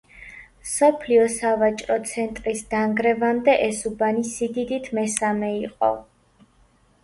მსოფლიო სავაჭრო ცენტრის დანგრევამდე ეს უბანი სიდიდით მესამე იყო.